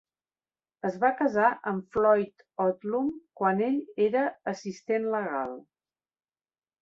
Es va casar amb Floyd Odlum quan ell era assistent legal.